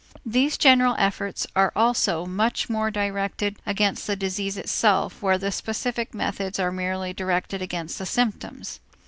These general efforts are also much more directed against the disease itself where the specific methods are merely directed against the symptoms.